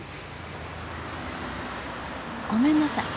ごめんなさい。